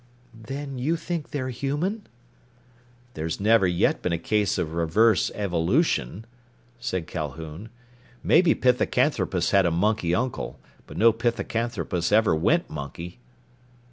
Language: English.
"Then you think they're human?" "There's never yet been a case of reverse evolution," said Calhoun. "Maybe Pithecanthropus had a monkey uncle, but no Pithecanthropus ever went monkey."